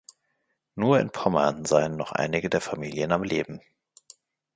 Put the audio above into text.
Nur in Pommern seinen noch einige der Familie am Leben.